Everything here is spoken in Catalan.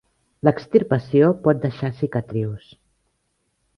L'extirpació pot deixar cicatrius.